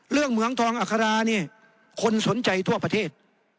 เรื่องเมืองท้องอาคารานี่คนสนใจทั่วประเทศ